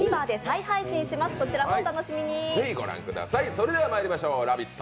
それではまいりましょう、「ラヴィット！」